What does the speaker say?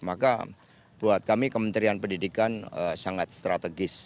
maka buat kami kementerian pendidikan sangat strategis